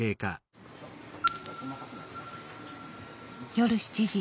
夜７時。